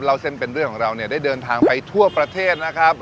เล่าเส้นเป็นเรื่องของเราเนี่ยได้เดินทางไปทั่วประเทศนะครับ